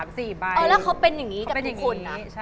เกิดว่าเขาเป็นอย่างงี้กับทุกคุณนะ